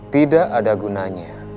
tidak ada gunanya